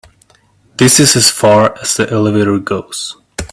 This is as far as the elevator goes.